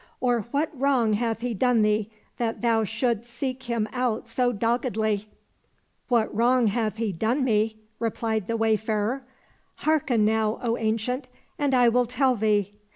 " Or what wrong hath he done thee, that thou shouldst seek him out so doggedly ?"—" What wrong hath he done me ?" replied the wayfarer. " Hearken now, O Ancient, and I will tell thee